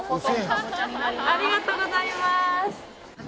ありがとうございます！